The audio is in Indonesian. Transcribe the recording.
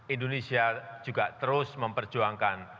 indonesia juga terus memperjuangkan